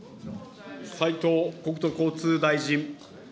斉藤国土交通大臣。